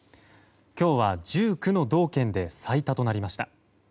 今日は１９の道県で最多となりました。